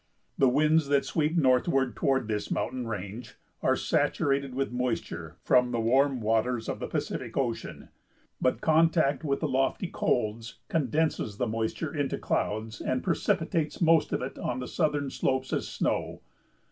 The winds that sweep northward toward this mountain range are saturated with moisture from the warm waters of the Pacific Ocean; but contact with the lofty colds condenses the moisture into clouds and precipitates most of it on the southern slopes as snow.